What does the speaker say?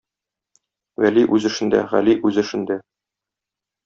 Вәли үз эшендә, Гали үз эшендә.